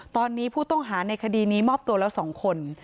ตอนนี้ผู้ต้องหาในคดีนี้มอบตัวแล้ว๒คน